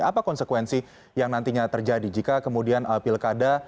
apa konsekuensi yang nantinya terjadi jika kemudian pilkada